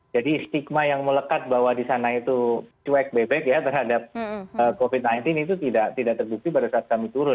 jadi stigma yang melekat bahwa di sana itu cuek bebek ya terhadap covid sembilan belas itu tidak terbukti pada saat kami turun